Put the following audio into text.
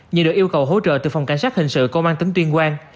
nhờ được yêu cầu hỗ trợ từ phòng cảnh sát hình sự công an tỉnh tuyên quang